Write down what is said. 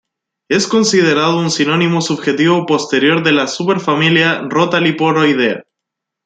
Es considerado un sinónimo subjetivo posterior de la superfamilia Rotaliporoidea.